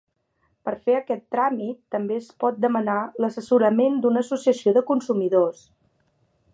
Per fer aquest tràmit també es pot demanar l'assessorament d'una associació de consumidors.